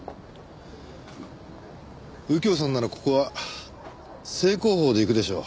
右京さんならここは正攻法でいくでしょう？